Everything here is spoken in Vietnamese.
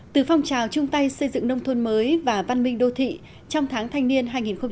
từ phong trào chung tay xây dựng nông thôn mới và văn minh đô thị trong tháng thanh niên hai nghìn một mươi chín